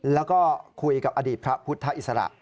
แล้วก็คุยกับอดีตพระพุทธอิสระ